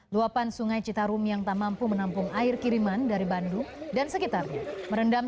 luapan sungai citarum yang tak mampu menampung air kiriman dari bandung dan sekitarnya merendam